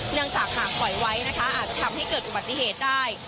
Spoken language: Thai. เนื่องจากหากปล่อยไว้นะคะอาจจะทำให้เกิดอุบัติเหตุได้